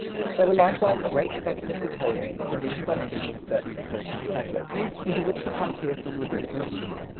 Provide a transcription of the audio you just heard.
There were likewise great speculative holdings, conditioned on seating a certain proportion of settlers, into which the frontiersmen were drifting.